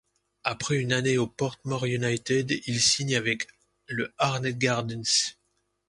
Après une année au Portmore United, il signe avec le Arnett Gardens.